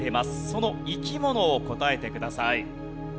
その生き物を答えてください。